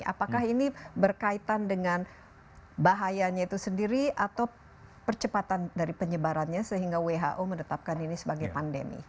apakah ini berkaitan dengan bahayanya itu sendiri atau percepatan dari penyebarannya sehingga who menetapkan ini sebagai pandemi